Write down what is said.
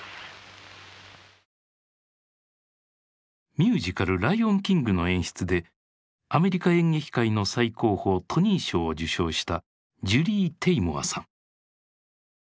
ミュージカル「ライオン・キング」の演出でアメリカ演劇界の最高峰トニー賞を受賞したジュリー・テイモアさん。